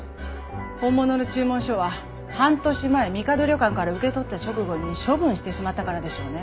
本物の注文書は半年前みかど旅館から受け取った直後に処分してしまったからでしょうね。